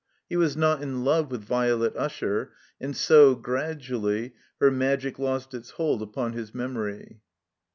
He was not in love with Violet Usher, and so, gradually, her magic lost its hold upon his memory.